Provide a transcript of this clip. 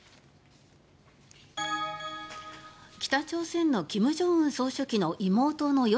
北朝鮮の金正恩総書記の妹の与